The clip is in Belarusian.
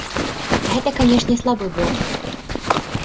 Гэта, канешне, слабы бок.